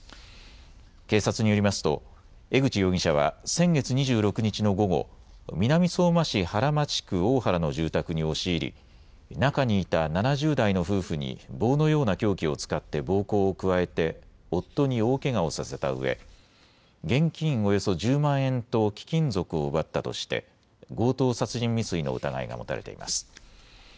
警察によりますと江口容疑者は先月２６日の午後南相馬市原町区大原の住宅に押し入り中にいた７０代の夫婦に棒のような凶器を使って暴行を加えて夫に大けがをさせたうえ、現金およそ１０万円と貴金属を奪ったとして強盗殺人未遂の疑いが持たれています。